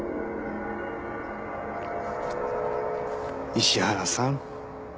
石原さん。